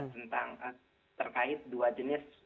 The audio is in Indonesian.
tentang terkait dua jenis